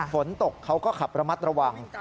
ฝนตกเขาก็ขับระมัดระวัง